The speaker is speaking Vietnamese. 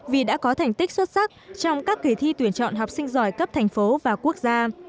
vì đã có thành tích xuất sắc trong các kỳ thi tuyển chọn học sinh giỏi cấp thành phố và quốc gia